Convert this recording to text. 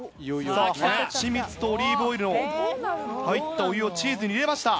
ハチミツとオリーブオイルの入ったお湯をチーズに入れました。